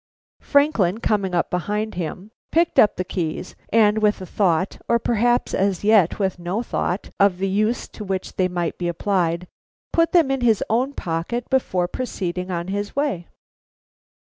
Franklin coming up behind him picked up the keys, and with a thought, or perhaps as yet with no thought, of the use to which they might be applied, put them in his own pocket before proceeding on his way.